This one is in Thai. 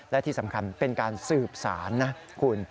และที่สำคัญเป็นการสืบสารนะคุณ